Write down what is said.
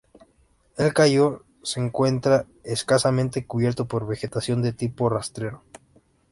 El cayo se encuentra escasamente cubierto por vegetación de tipo rastrero.